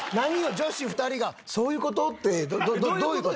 女子２人が「そういう事？」ってどういう事？